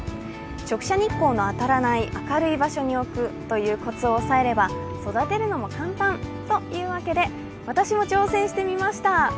直射日光の当たらない明るい場所に置くというコツを押さえれれば育てるのも簡単！というわけで、私も挑戦してみました。